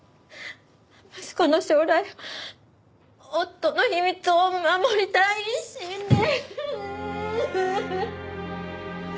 息子の将来を夫の秘密を守りたい一心で。